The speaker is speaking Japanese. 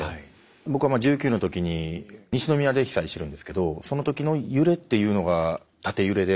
僕は１９の時に西宮で被災してるんですけどその時の揺れっていうのが縦揺れで。